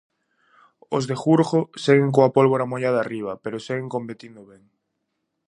Os de Jurjo seguen coa pólvora mollada arriba, pero seguen competindo ben.